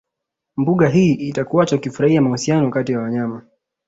Mbuga hii itakuacha ukifurahia mahusiano kati ya wanyama